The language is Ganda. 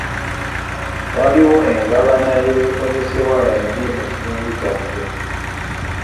Waliwo engabanya y'ebikozesebwa embi mu kitundu kyaffe.